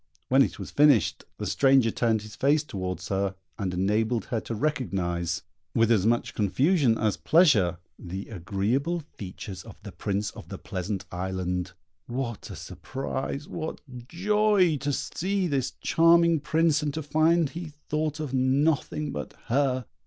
When it was finished, the stranger turned his face towards her, and enabled her to recognise, with as much confusion as pleasure, the agreeable features of the Prince of the Pleasant Island. What a surprise, what joy to see this charming Prince, and to find he thought of nothing but her!